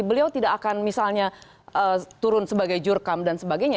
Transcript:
beliau tidak akan misalnya turun sebagai jurkam dan sebagainya